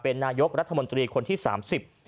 เป็นนายกรัฐมนตรีคนที่สามสิบ